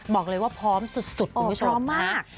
บอกเลยว่าพร้อมสุดอยู่ทุกคน